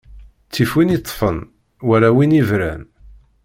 Ttif win iṭṭfen, wala win ibran.